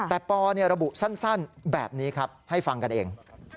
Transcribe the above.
แต่ปอระบุสั้นแบบนี้ครับให้ฟังกันเอง